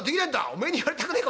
「おめえに言われたくねえ